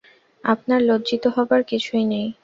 আপনার লজ্জিত হবার কিছুই নেই।